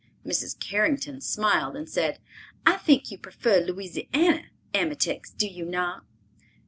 Mrs. Carrington smiled and said, "I think you prefer Louisiana emetics, do you not?"